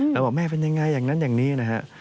แล้วบอกแม่เป็นยังไงอย่างนั้นอย่างนี้นะฮะ